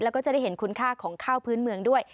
แล้วก็จะได้เห็นคุณค่าของข้าวพื้นเมืองด้วย